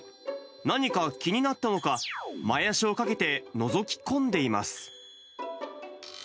何か気になったのか、前足をかけてのぞき込んでいます。